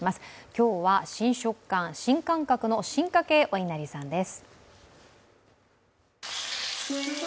今日は新食感、新感覚のおいなりさんです。